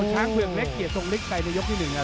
ช้างเผือกเล็กเกียรติทรงฤทธิ์ใกล้ในยกที่หนึ่งอ่ะ